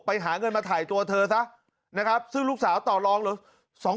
ไปหาเงินมาถ่ายตัวเธอซะนะครับซึ่งลูกสาวต่อรองหรือ